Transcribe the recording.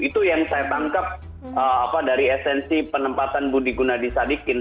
itu yang saya tangkap dari esensi penempatan budi gunadisadikin